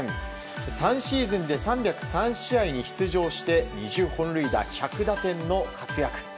３シーズンで３０３試合に出場して２０本塁打１００打点の活躍。